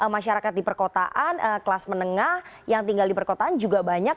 masyarakat di perkotaan kelas menengah yang tinggal di perkotaan juga banyak